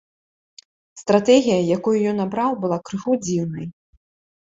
Стратэгія, якую ён абраў, была крыху дзіўнай.